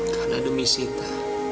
karena demi sita